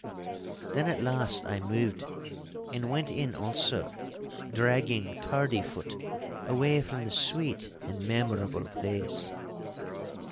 Then at last I moved and went in also, dragging tardy foot away from the sweet and memorable place.